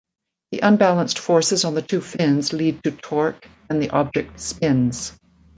The unbalanced forces on the two fins lead to torque and the object spins.